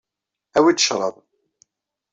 Awi-d acṛab.